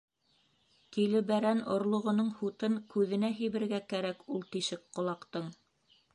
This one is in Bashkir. Тилебәрән орлоғоноң һутын күҙенә һибергә кәрәк ул тишек ҡолаҡтың!